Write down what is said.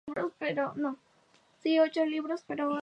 Entonces fue nombrado obispo de Osma y luego de Sigüenza.